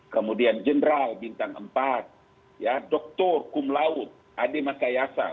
kemudian jenderal bintang empat doktor kumlaut adi masayasa